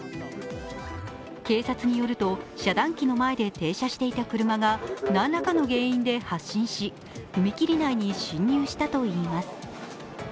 警察によると、遮断機の前で停車していた車が何らかの原因で発進し踏切内に進入したといいます。